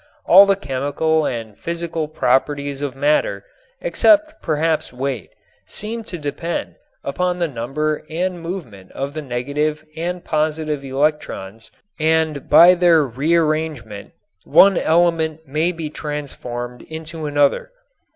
All the chemical and physical properties of matter, except perhaps weight, seem to depend upon the number and movement of the negative and positive electrons and by their rearrangement one element may be transformed into another.